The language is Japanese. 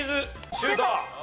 シュート！